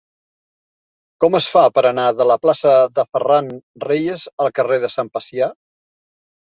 Com es fa per anar de la plaça de Ferran Reyes al carrer de Sant Pacià?